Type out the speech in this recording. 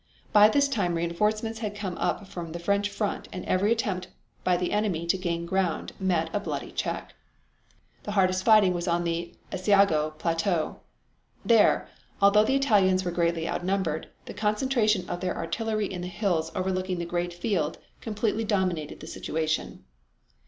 By this time reinforcements had come up from the French front and every attempt by the enemy to gain ground met a bloody check. The hardest fighting was on the Asiago Plateau. There, although the Italians were greatly outnumbered, the concentration of their artillery in the hills overlooking the great field completely dominated the situation.